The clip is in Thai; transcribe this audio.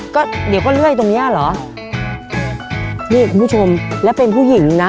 ก็เดี๋ยวก็เรื่อยตรงเนี้ยเหรอนี่คุณผู้ชมแล้วเป็นผู้หญิงนะ